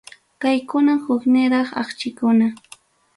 Kaykunam hukniraq akchikuna.